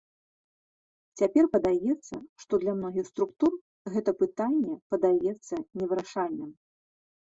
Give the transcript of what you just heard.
Цяпер падаецца, што для многіх структур гэта пытанне падаецца невырашальным.